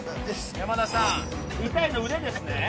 山田さん痛いの腕ですね？